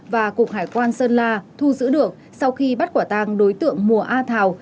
và cục hải quan sơn la thu giữ được sau khi bắt quả tang đối tượng mùa a thào